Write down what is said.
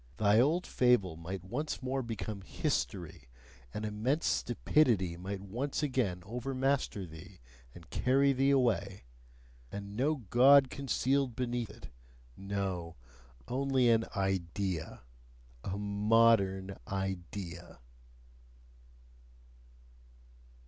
Thy old fable might once more become "history" an immense stupidity might once again overmaster thee and carry thee away! And no God concealed beneath it no! only an "idea," a "modern idea"!